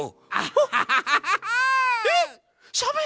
ハハハハハ。